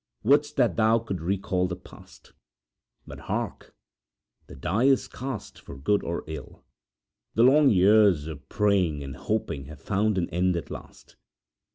Wouldst that thou could recall the past! But hark! the die is cast for good or ill. The long years of praying and hoping have found an end at last.